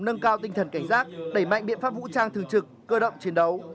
nâng cao tinh thần cảnh giác đẩy mạnh biện pháp vũ trang thường trực cơ động chiến đấu